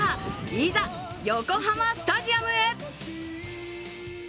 いざ、横浜スタジアムへ。